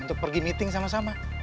untuk pergi meeting sama sama